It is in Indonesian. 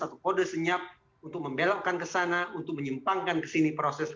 satu kode senyap untuk membelokkan ke sana untuk menyimpangkan ke sini proses